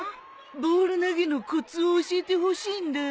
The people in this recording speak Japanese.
ボール投げのコツを教えてほしいんだ。